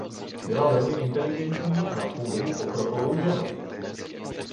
Byla velmi inteligentní a na svou dobu pokrokovou ženou.